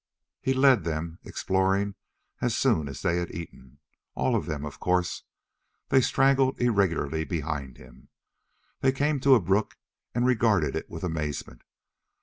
He led them exploring as soon as they had eaten. All of them, of course. They straggled irregularly behind him. They came to a brook and regarded it with amazement.